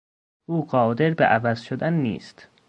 او قادر به عوض شدن نیست.